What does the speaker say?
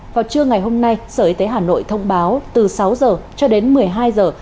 vào trưa ngày hôm nay sở y tế hà nội thông báo từ sáu giờ cho đến một mươi hai giờ